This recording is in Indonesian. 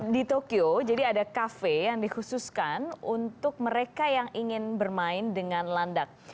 di tokyo jadi ada kafe yang dikhususkan untuk mereka yang ingin bermain dengan landak